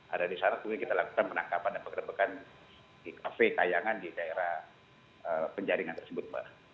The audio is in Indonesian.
ada disana kita lakukan penangkapan dan pengembangan di kafe kayangan di daerah penjaringan tersebut